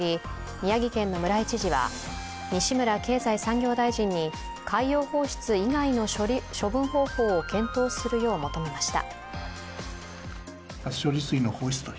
宮城県の村井知事は西村経済産業大臣に海洋放出以外の処分方法を検討するよう求めました。